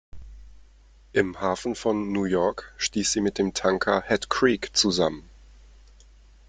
Im Hafen von New York stieß sie mit dem Tanker Hat Creek zusammen.